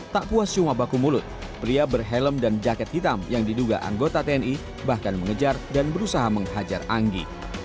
tak puas cuma baku mulut pria berhelm dan jaket hitam yang diduga anggota tni bahkan mengejar dan berusaha menghajar anggi